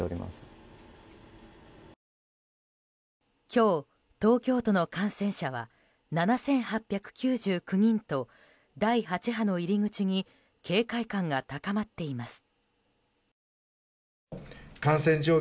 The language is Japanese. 今日、東京都の感染者は７８９９人と第８波の入り口に警戒感が高まっています。